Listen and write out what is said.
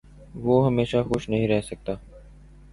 وہ ہمیشہ خوش نہیں رہ سکتا